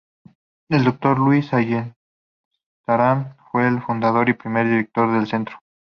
El Dr. Luis Ayestarán fue el fundador y primer Director del centro.